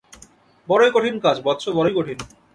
বড়ই কঠিন কাজ, বৎস, বড়ই কঠিন।